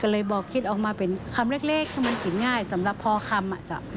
ก็เลยบอกคิดออกมาเป็นคำเล็กที่มันกินง่ายสำหรับพอคำอ่ะจ้ะ